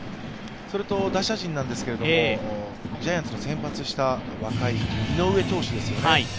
それと打者陣ですけど、ジャイアンツの先発をした若い井上投手ですよね。